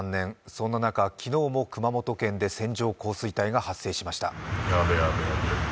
そんな中、昨日も熊本県で線状降水帯が発生しました。